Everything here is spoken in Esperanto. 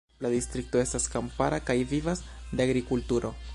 La distrikto estas kampara kaj vivas de agrikulturo.